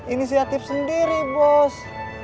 ini si atif sendiri bos